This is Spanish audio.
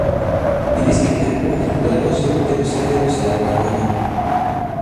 En este campo, el jugador solo puede usar a la dragona.